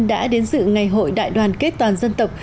đã đến sự ngày hội đại đoàn kết toàn dân tộc